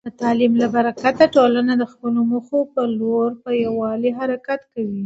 د تعلیم په برکت، ټولنه د خپلو موخو په لور په یووالي حرکت کوي.